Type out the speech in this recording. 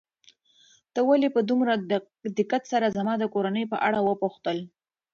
تا ولې په دومره دقت سره زما د کورنۍ په اړه وپوښتل؟